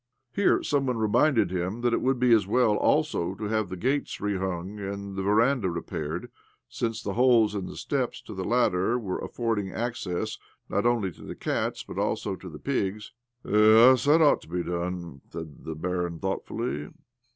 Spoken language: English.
Here some one reminded him that it would be as well also to have the gates rehung and the veranda repaired, since the holes in the steps to the latter were affording access, not only to the cats, but also to the pigs. " Yes, yes, it ought to be done," said the barin thoughtfully.